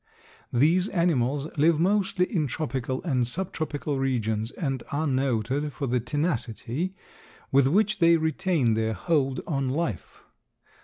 These animals live mostly in tropical and subtropical regions and are noted for the tenacity with which they retain their hold on life.